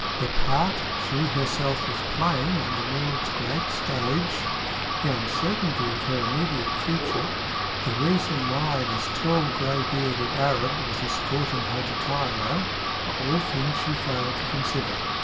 The part she herself was playing on the world's great stage, the uncertainty of her immediate future, the reason why this tall, gray bearded Arab was escorting her to Cairo, were all things she failed to consider.